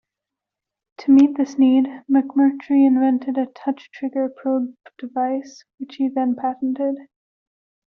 To meet this need, McMurtry invented a touch-trigger probe device, which he then patented.